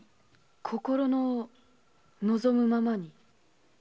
心の望むままに。